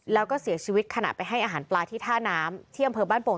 แล้วก็เสียชีวิตขณะไปให้อาหารปลาที่ท่าน้ำที่อำเภอบ้านโป่ง